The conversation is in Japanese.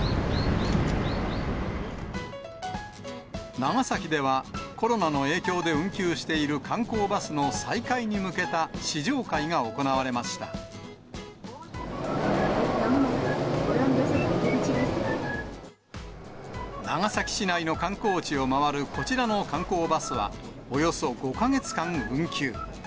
長崎ではコロナの影響で運休している観光バスの再開に向けた試乗まもなくオランダ坂入り口で長崎市内の観光地を回るこちらの観光バスは、およそ５か月間運休。